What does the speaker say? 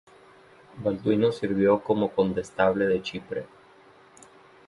Balduino sirvió como condestable de Chipre.